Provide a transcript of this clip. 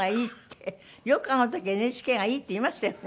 よくあの時ＮＨＫがいいって言いましたよね。